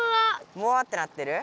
もわってなってる？